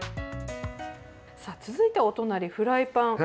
続いてはお隣、フライパン。